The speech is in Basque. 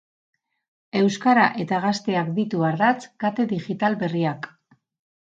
Euskara eta gazteak ditu ardatz kate digital berriak.